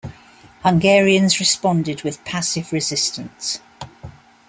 Hungarians responded with passive resistance.